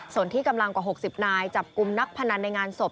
ส่วนที่กำลังกว่า๖๐นายจับกลุ่มนักพนันในงานศพ